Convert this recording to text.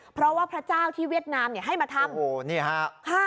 เพราะว่าพระเจ้าที่เวียดนามเนี่ยให้มาทำโอ้โหนี่ฮะ